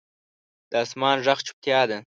د اسمان ږغ چوپتیا ده.